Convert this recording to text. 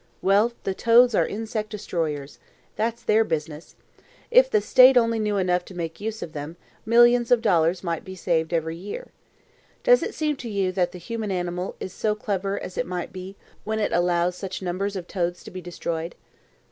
Well, the toads are insect destroyers. That's their business. If the State only knew enough to make use of them, millions of dollars might be saved every year. Does it seem to you that the human animal is so clever as it might be, when it allows such numbers of toads to be destroyed?"